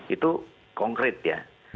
itu konkret ya